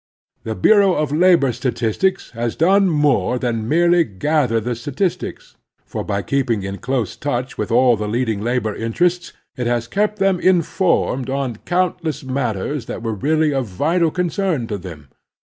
The Bureau of Labor Statistics has done more than merely gather the statistics, for by keeping in close touch with all the leading labor interests it has kept them informed on cotmtless matters that were really of vital concern to them.